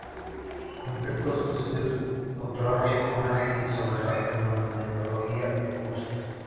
Completó sus estudios doctorándose con una tesis sobre la Fenomenología de Husserl.